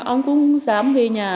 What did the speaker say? ông cũng dám về nhà